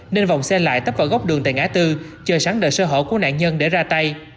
nên vòng xe lại tắp vào góc đường tại ngã tư chờ sáng đợi sơ hổ của nạn nhân để ra tay